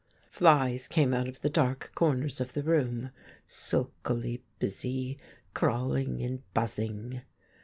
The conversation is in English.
Flies came out of the dark corners of the room, sulkily busy, crawling and buzzing.